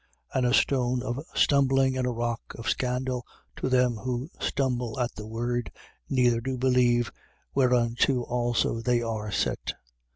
And a stone of stumbling and a rock of scandal, to them who stumble at the word, neither do believe, whereunto also they are set.